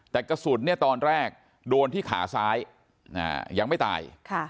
แต่กระสุนตอนแรกโดนที่ขาซ้ายยังไม่ตาย